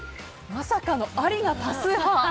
まさかのありが多数派！